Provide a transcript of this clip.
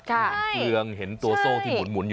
คืองเห็นตัวโซ่ที่หมุนอยู่ไหม